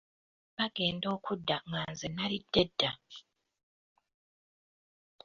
Bagenda okudda nga nze nalidde dda.